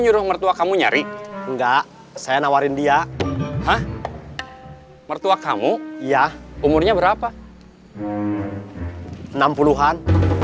nyuruh mertua kamu nyari enggak saya nawarin dia hah mertua kamu ya umurnya berapa enam puluh an